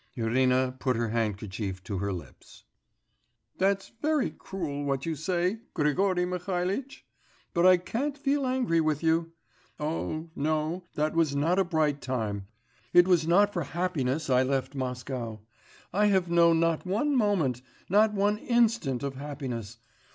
Irina put her handkerchief to her lips. 'That's very cruel, what you say, Grigory Mihalitch; but I can't feel angry with you. Oh, no, that was not a bright time, it was not for happiness I left Moscow; I have known not one moment, not one instant of happiness